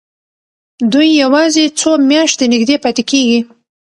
دوی یوازې څو میاشتې نږدې پاتې کېږي.